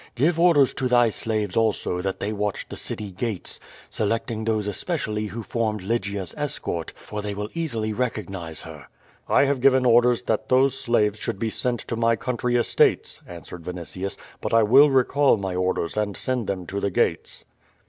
Give orders to thy slaves also that they watch the city gates, selecting those especially who formed Lygia's escort, for they will easily recognize her." "I have given orders that those slaves should be sent to my country estates," answered Vinitius, "but I will recall my orders and send them to the gates."